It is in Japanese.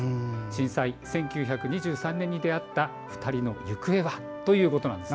震災、１９２３年に出会った２人の行方はということです。